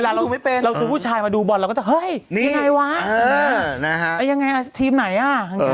เวลาเราไม่เป็นเราถูกผู้ชายมาดูบอลเราก็จะเฮ้ยยังไงวะยังไงทีมไหนอ่ะ